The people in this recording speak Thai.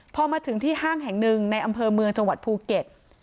พอมาถึงที่ห้างแห่งหนึ่งในอำเภอเมืองจังหวัดภูเก็ต